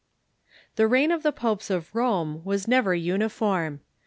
] The reign of the popes of Rome was never uniform.